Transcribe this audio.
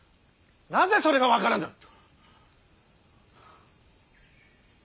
なぜそれが分からぬ。